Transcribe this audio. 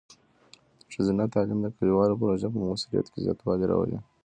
ښځینه تعلیم د کلیوالو پروژو په مؤثریت کې زیاتوالی راولي.